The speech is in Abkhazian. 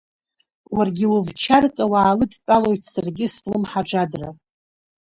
Уаргьы увчарка уаалыдтәалоит, саргьы слымҳаџадра.